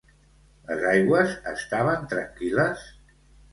Les aigües estaven tranquil·les?